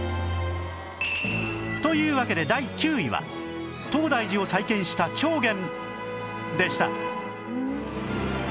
というわけで第９位は東大寺を再建した重源でした